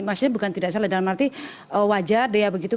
maksudnya bukan tidak salah dalam arti wajar dea begitu